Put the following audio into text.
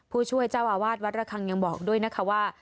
ผู้ช่วยเจ้าอาวาสวัดระคังยังบอกด้วยนะคะว่า